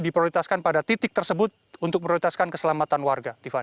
di prioritaskan pada tempat yang terdekat dengan tempat yang terdekat dengan tempat yang terdekat dengan